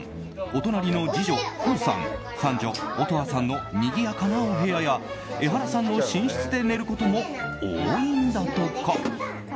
お隣の次女・風羽さん三女・音羽さんのにぎやかなお部屋やエハラさんの寝室で寝ることも多いんだとか。